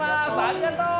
ありがとう！